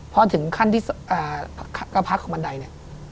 พอถึงขั้นที่กระพักของบันไดเนี่ย